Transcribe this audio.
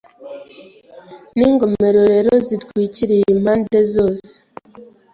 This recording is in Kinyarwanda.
N'ingomero rero zitwikiriye impande zose